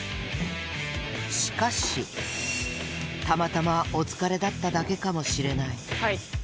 しかし、たまたまお疲れだっただけかもしれない。